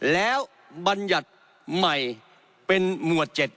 แล้วบัญญัติใหม่เป็นหมวด๗